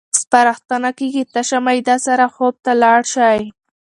سپارښتنه کېږي تشه معده سره خوب ته لاړ شئ.